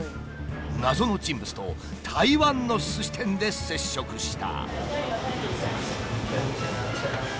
謎の人物と台湾のすし店で接触した。